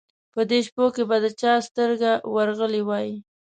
په دې شپو کې به د چا سترګه ورغلې وای.